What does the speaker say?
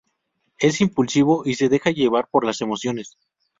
Es impulsivo y se deja llevar por las emociones.